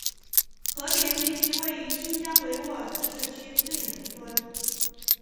和田地区位于新疆维吾尔自治区最南端。